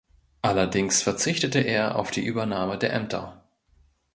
Allerdings verzichtete er auf die Übernahme der Ämter.